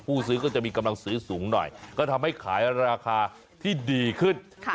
ซื้อก็จะมีกำลังซื้อสูงหน่อยก็ทำให้ขายราคาที่ดีขึ้น